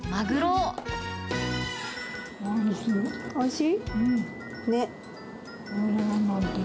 おいしい。